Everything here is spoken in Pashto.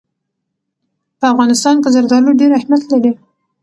په افغانستان کې زردالو ډېر اهمیت لري.